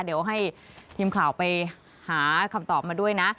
เดี๋ยวให้ทีมข่าวไปหาคำตอบมาด้วยนะ